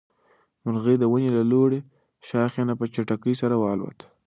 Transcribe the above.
مرغۍ د ونې له لوړې ښاخۍ نه په چټکۍ سره والوته.